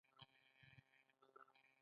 د درواز هوا ډیره سړه ده